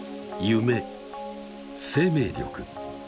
「夢」「生命力」